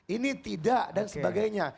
ini tidak dan sebagainya